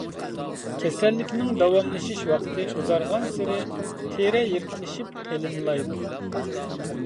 كېسەللىكنىڭ داۋاملىشىش ۋاقتى ئۇزارغانسېرى تېرە يىرىكلىشىپ قېلىنلايدۇ.